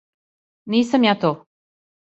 Нисам ја то!